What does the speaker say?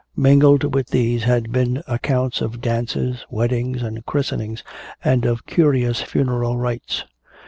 Mingled with these had been accounts of dances, weddings and christenings and of curious funeral rites.